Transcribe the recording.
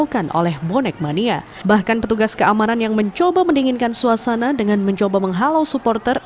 kami menginginkan suasana dengan mencoba menghalau supporter